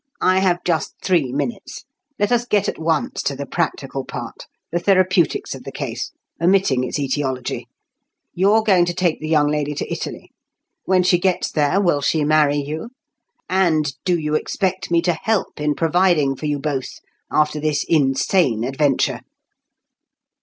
"I have just three minutes. Let us get at once to the practical part—the therapeutics of the case, omitting its aetiology. You're going to take the young lady to Italy. When she gets there, will she marry you? And do you expect me to help in providing for you both after this insane adventure?"